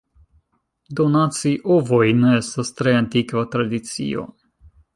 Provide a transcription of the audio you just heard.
Donaci ovojn estas tre antikva tradicio.